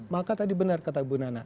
maka tadi benar kata bu nana